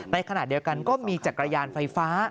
ในขณะเดียวกันก็มีจักรยานไฟฟ้า